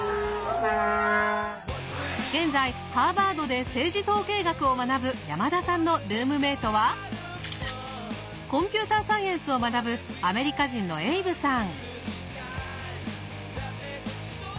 現在ハーバードで政治統計学を学ぶ山田さんのルームメートはコンピューターサイエンスを学ぶアメリカ人のエイブさん。